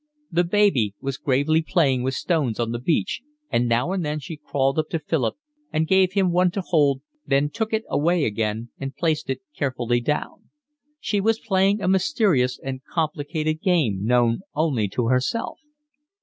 The baby was gravely playing with stones on the beach, and now and then she crawled up to Philip and gave him one to hold, then took it away again and placed it carefully down. She was playing a mysterious and complicated game known only to herself.